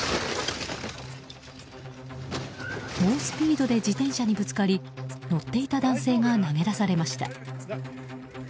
猛スピードで自転車にぶつかり乗っていた男性が投げ出されました。